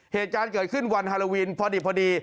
เหตุการณ์เกิดขึ้นวันฮาโลวินพอดี